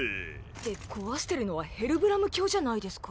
って壊してるのはヘルブラム卿じゃないですか。